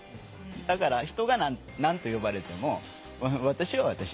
だから人が何と呼ばれても私は私ですよ。